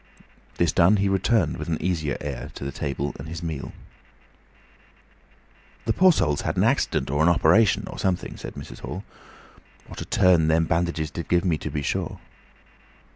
This done, he returned with an easier air to the table and his meal. "The poor soul's had an accident or an op'ration or somethin'," said Mrs. Hall. "What a turn them bandages did give me, to be sure!"